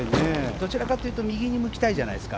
どちらかというと右向きたいじゃないですか。